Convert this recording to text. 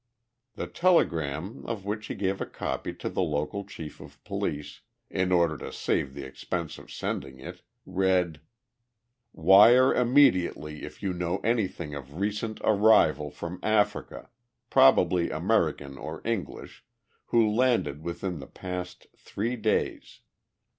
The telegram, of which he gave a copy to the local chief of police, "in order to save the expense of sending it," read: Wire immediately if you know anything of recent arrival from Africa probably American or English who landed within past three days.